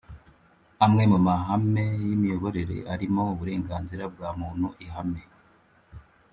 amwe mu mahame y imiyoborere arimo uburenganzira bwa muntu ihame